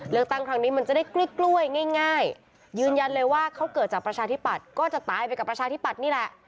ครั้งนี้มันจะได้กล้วยง่ายยืนยันเลยว่าเขาเกิดจากประชาธิปัตย์ก็จะตายไปกับประชาธิปัตย์นี่แหละ